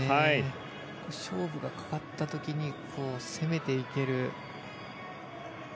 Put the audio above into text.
勝負がかかった時に攻めていける。